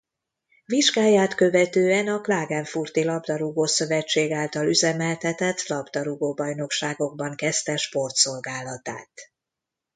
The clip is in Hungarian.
Vizsgáját követően a Klagenfurti Labdarúgó-szövetség által üzemeltetett labdarúgó bajnokságokban kezdte sportszolgálatát.